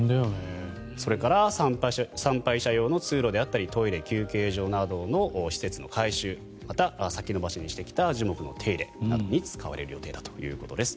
それから参拝者用の通路であったりトイレ、休憩所などの施設の改修また、先延ばしにしてきた樹木の手入れなどに使われる予定だということです。